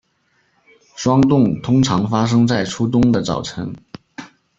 霜冻通常发生在初冬的早晨。